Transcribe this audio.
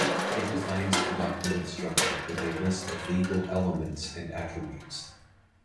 It defines the document structure with a list of legal elements and attributes.